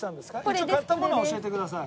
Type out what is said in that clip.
一応買ったものは教えてください。